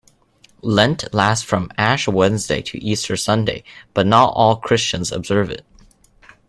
Lent lasts from Ash Wednesday to Easter Sunday, but not all Christians observe it.